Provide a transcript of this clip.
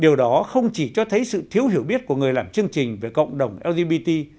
điều đó không chỉ cho thấy sự thiếu hiểu biết của người làm chương trình về cộng đồng lgbt